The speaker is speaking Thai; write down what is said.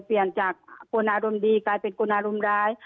เปลี่ยนจากโกนารมณ์ดีกลายเป็นโกนารุมร้าย